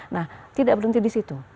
nah tidak berhenti di situ